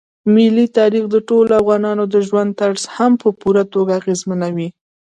ملي تاریخ د ټولو افغانانو د ژوند طرز هم په پوره توګه اغېزمنوي.